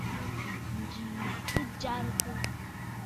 Ǹjì yì ɨ jɛrɨkə.